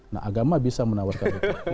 nah agama bisa menawarkan itu